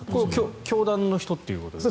教団の人ということですか？